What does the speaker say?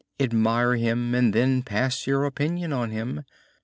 Admire him, and then pass your opinion on him!